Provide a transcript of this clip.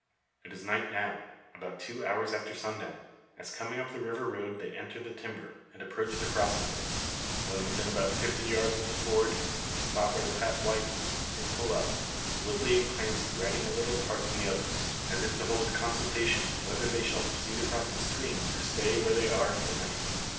It is night now, about two hours after sundown, as coming up the river road they enter the timber, and approach the crossing place. When within about fifty yards of the ford at a spot where the path widens, they pull up, Woodley and Clancy riding a little apart from the others, as if to hold consultation whether they shall proceed across the stream, or stay where they are for the night.